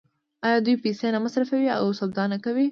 آیا دوی پیسې نه مصرفوي او سودا نه کوي؟